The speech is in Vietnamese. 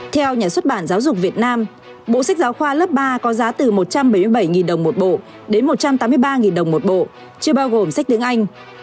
theo nhà xuất bản giáo dục việt nam bộ sách giáo khoa lớp ba có giá từ một trăm bảy mươi bảy đồng một bộ đến một trăm tám mươi ba đồng một bộ chưa bao gồm sách tiếng anh